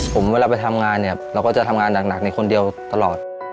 ผมเวลาไปทำงานเนี่ยเราก็จะทำงานหนักในคนเดียวตลอด